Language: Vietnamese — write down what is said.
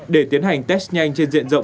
để tiến hành test nhanh trên diện rộng